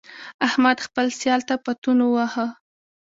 احمد خپل سیال ته پتون وواهه.